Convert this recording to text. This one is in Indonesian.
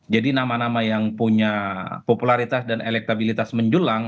jadi nama nama yang punya popularitas dan elektabilitas menjulang